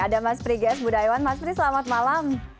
ada mas pri guest budayawan mas pri selamat malam